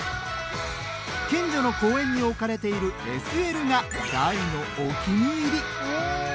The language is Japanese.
近所の公園に置かれているＳＬが大のお気に入り！